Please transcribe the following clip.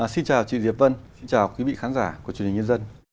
xin chào chị diệp vân xin chào quý vị khán giả của truyền hình nhân dân